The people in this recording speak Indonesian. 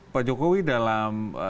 pak jokowi dalam